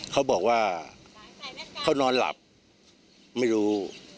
เขาบอกว่าเขานอนหลับไม่รู้